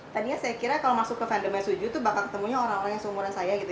tadinya saya kira kalau masuk ke fandomnya suju tuh bakal ketemunya orang orang yang seumuran saya gitu